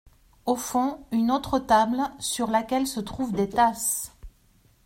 Au fond, une autre table, sur laquelle se trouvent des tasses.